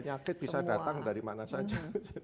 penyakit bisa datang dari mana saja